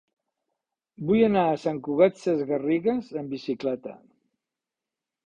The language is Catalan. Vull anar a Sant Cugat Sesgarrigues amb bicicleta.